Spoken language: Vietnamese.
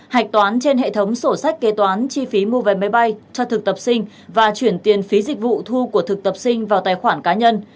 hạch toán trên hệ thống sổ sách kế toán chi phí mua vé máy bay cho thực tập sinh và chuyển tiền phí dịch vụ thu của thực tập sinh vào tài khoản cá nhân